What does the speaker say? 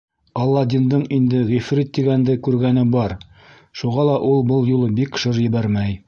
Аладдиндың инде ғифрит тигәнде күргәне бар, шуға ла ул был юлы бик шыр ебәрмәй.